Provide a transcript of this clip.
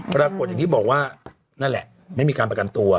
ปรากฏอย่างที่บอกว่านั่นแหละไม่มีการประกันตัว